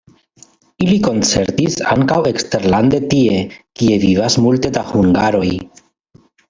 Ili koncertis ankaŭ eksterlande tie, kie vivas multe da hungaroj.